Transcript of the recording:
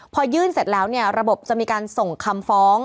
พอยื่นเสร็จแล้วเนี่ยระบบจะมีการส่งคำฟ้อง